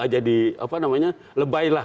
jadi apa namanya lebaylah